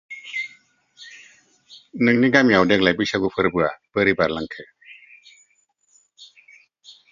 नोंनि गामियाव देग्लाय बैसागु फोरबोआ बोरै बारलांखो?